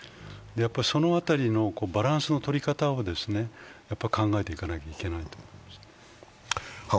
その辺りのバランスの取り方を考えていかなきゃいけないと思います。